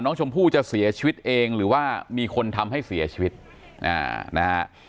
น้องชมพู่จะเสียชีวิตเองหรือว่ามีคนทำให้เสียชีวิตอ่านะฮะ